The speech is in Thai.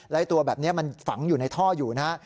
และตัวแบบนี้มันฝังอยู่ในท่ออยู่นะฮะ